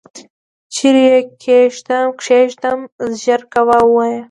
چیري یې کښېږدم ؟ ژر کوه ووایه !